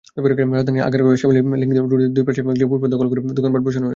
রাজধানীর আগারগাঁওয়ের শ্যামলী লিংক রোডের দুই পাশের ফুটপাত দখল করে দোকানপাট বসানো হয়েছে।